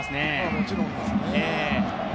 もちろんですね。